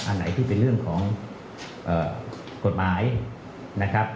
อันไหนที่เป็นเรื่องของกฎหมายนะครับ